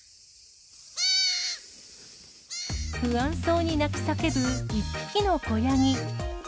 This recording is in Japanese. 不安そうに鳴き叫ぶ１匹の子ヤギ。